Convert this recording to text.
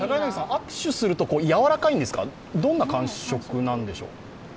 握手するとやわらかいんですか、どんな感触なんでしょう？